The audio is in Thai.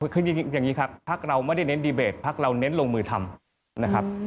คืออย่างนี้ครับพักเราไม่ได้เน้นดีเบตพักเราเน้นลงมือทำนะครับ